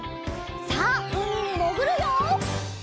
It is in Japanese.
さあうみにもぐるよ！